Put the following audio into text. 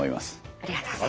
ありがとうございます。